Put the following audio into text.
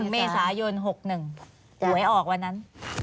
๑เวษายล๑๙๖๑บ่วยออกวันนั้น